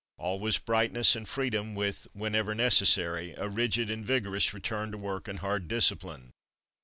All was brightness and freedom, with, whenever necessary, a rigid and vigorous return to work and hard discipline.